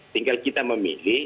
tinggal kita memilih